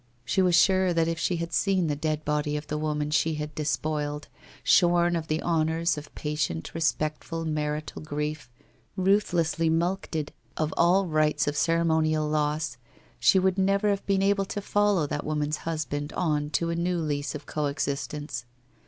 She was sure that if she had seen the dead body of the woman she had despoiled, shorn of the honours of patient, respectful marital grief, ruthlessly mulcted of all rites of ceremonial loss, she would never have been able to follow that woman's husband on to a new lease of co existence.